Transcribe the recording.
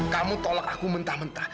kamu tolak aku mentah mentah